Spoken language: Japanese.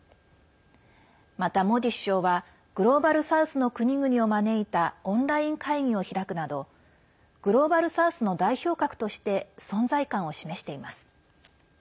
またモディ首相はグローバル・サウスの国々を招いたオンライン会議を開くなどグローバル・サウスの代表格として存在感を示しています。